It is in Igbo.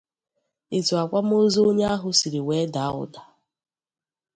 etu akwamozu onye ahụ siri wee dàa ụdà